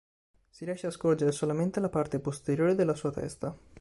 Si riesce a scorgere solamente la parte posteriore della sua testa.